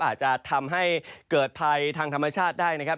อาจจะทำให้เกิดภัยทางธรรมชาติได้นะครับ